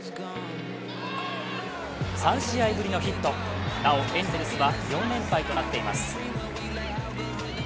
３試合ぶりのヒットなお、エンゼルスは４連敗となっています。